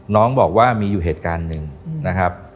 น้องบอกว่ามีอยู่เหตุการณ์หนึ่งนะครับ